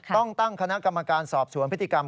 ต้องตั้งคณะกรรมการสอบสวนพฤติกรรม